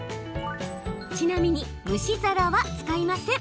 ちなみに、蒸し皿は使いません。